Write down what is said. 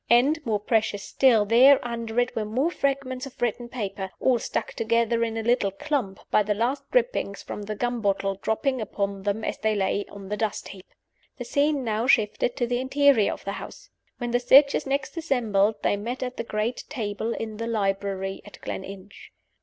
And, more precious still, there, under it, were more fragments of written paper, all stuck together in a little lump, by the last drippings from the gum bottle dropping upon them as they lay on the dust heap! The scene now shifted to the interior of the house. When the searchers next assembled they met at the great table in the library at Gleninch.